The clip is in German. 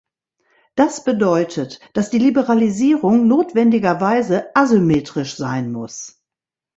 Das bedeutet, dass die Liberalisierung notwendigerweise asymmetrisch sein muss.